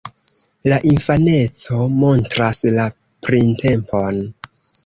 La infaneco montras la printempon.